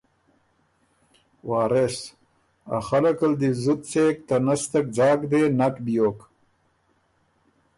وارث ـــ ا خلق ال دی بو زُت څېک، ته نستک ځاک دې نک بیوک۔